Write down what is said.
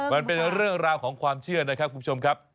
มันเป็นเรื่องราวของความเชื่อนะครับคุณผู้ชมครับ